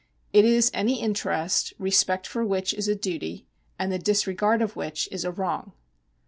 It is any interest, respect for which is a duty, and the disregard of which is a wrong.